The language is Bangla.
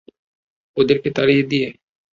ওদেরকে তাড়িয়ে দিয়ে?